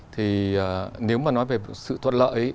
thì nếu mà nói về sự thuận lợi